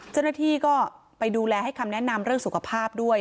เจ้าหน้าที่ก็ไปดูแลให้คำแนะนำเรื่องสุขภาพด้วย